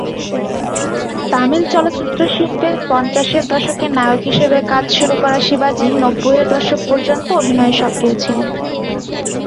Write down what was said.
তামিল চলচ্চিত্র শিল্পে পঞ্চাশের দশকে নায়ক হিসেবে কাজ শুরু করা শিবাজি নব্বইয়ের দশক পর্যন্ত অভিনয়ে সক্রিয় ছিলেন।